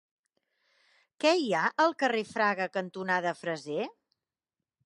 Què hi ha al carrer Fraga cantonada Freser?